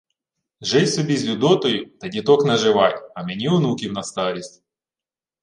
— Жий собі з Людотою та діток наживай, а мені онуків на старість.